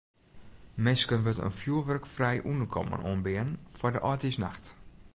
Minsken wurdt in fjoerwurkfrij ûnderkommen oanbean foar de âldjiersnacht.